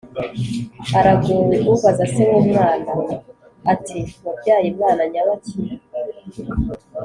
aragowe ubaza se w’umwana, ati «wabyaye mwana nyabaki ?»